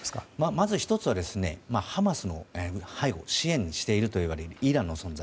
まず１つはハマスの背後支援しているといわれるイランの存在。